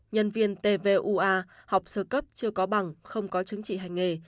nhân viên tvua học sở cấp chưa có bằng không có chứng trị hành nghề